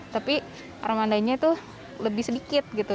tapi armadainya tuh lebih sedikit gitu